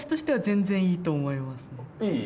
いい？